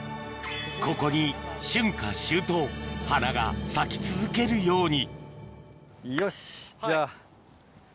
ここに春夏秋冬花が咲き続けるようによしじゃあ。